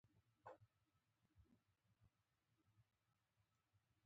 د قوانینو تطبیق د اجرائیه قوې پر غاړه دی.